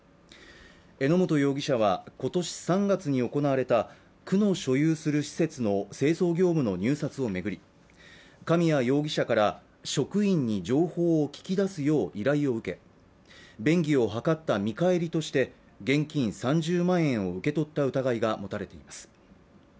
榎本容疑者は、今年３月に行われた区の所有する施設の清掃業務の入札を巡り、神谷容疑者から職員に情報を聞き出すよう依頼を受け、便宜を図った見返りとして現金３０万円を受け取った疑いが持たれています。